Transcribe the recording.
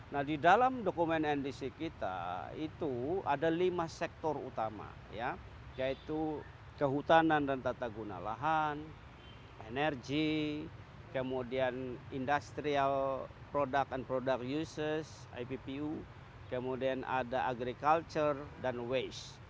nah di dalam dokumen ndc kita itu ada lima sektor utama yaitu kehutanan dan tata guna lahan energi kemudian industrial product and product uses ippu kemudian ada agriculture dan waste